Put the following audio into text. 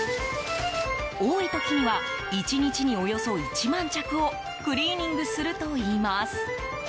多い時には１日におよそ１万着をクリーニングするといいます。